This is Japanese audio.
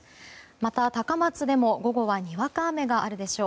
また、高松でも午後はにわか雨があるでしょう。